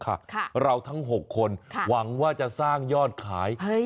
ค่ะเราทั้งหกคนค่ะหวังว่าจะสร้างยอดขายเฮ้ย